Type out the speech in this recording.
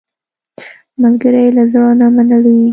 ملګری له زړه نه مل وي